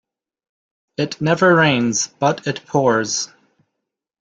It never rains but it pours.